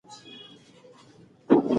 اجرات باید پر پوهه ولاړ وي.